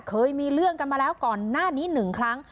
เคยมีเรื่องกันมาแล้วก่อนหน้านี้๑ครั้ง